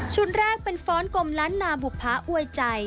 แรกเป็นฟ้อนกลมล้านนาบุภาอวยใจ